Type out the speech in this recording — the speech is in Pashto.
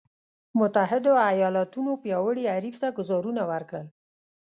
متحدو ایالتونو پیاوړي حریف ته ګوزارونه ورکړل.